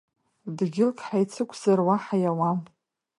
Дгьылк ҳаицықәзар уаҳа иауам…